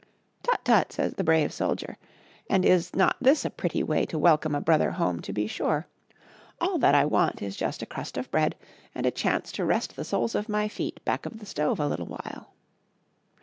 "Tut! tut!" says the brave soldier." and is not this a pretty way to welcome a brother home to be sure ! All that I want is just a crust of bread and a chance to rest the soles of my feet back of the stove a little while.